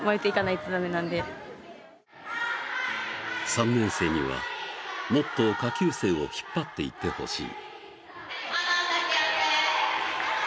３年生には、もっと下級生を引っ張っていってほしい。